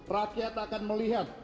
rakyat akan melihat